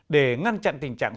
để ngăn chặn tình trạng